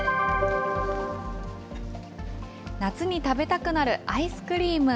夏に食べたくなるアイスクリーム。